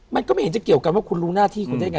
มันก็ไม่เห็นจะเกี่ยวกันว่าคุณรู้หน้าที่คุณได้ไง